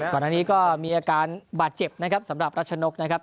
ก่อนอันนี้ก็มีอาการบาดเจ็บนะครับสำหรับรัชนกนะครับ